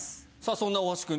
そんな大橋くん